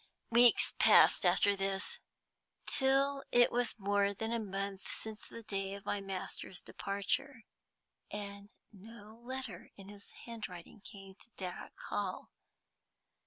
Weeks passed after this, till it was more than a month since the day of my master's departure, and no letter in his handwriting came to Darrock Hall.